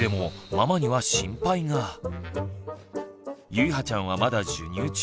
ゆいはちゃんはまだ授乳中。